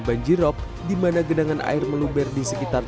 banjirop di mana genangan air meluber di sekitar